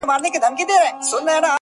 • د ویر او ماتم په دې سختو شېبو کي هم -